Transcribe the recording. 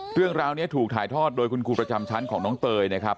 เรื่องราวนี้ถูกถ่ายทอดโดยคุณครูประจำชั้นของน้องเตยนะครับ